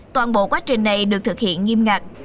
toàn bộ quá trình này được thực hiện nghiêm ngặt